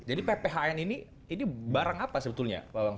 jadi pphn ini ini barang apa sebetulnya